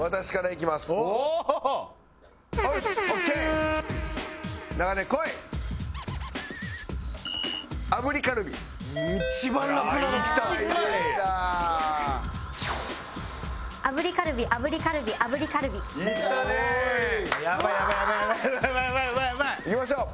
いきましょう！